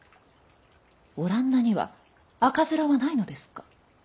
オランダには赤面はないのですか？